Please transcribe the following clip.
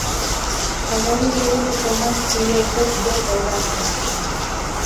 قمرۍ د ونې په منځ کې یو پټ ځای پیدا کړ.